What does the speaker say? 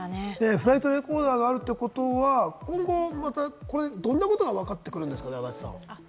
フライトレコーダーがあるということは今後、どんなことがわかってくるんですかね、足立さん。